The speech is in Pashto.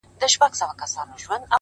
o بس ده ه د غزل الف و با مي کړه ـ